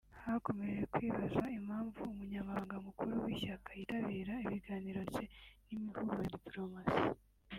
Hakomejwe kwibazwa impamvu umunyamabanga mukuru w’ishyaka yitabira ibiganiro ndetse n’imihuro ya diplomasi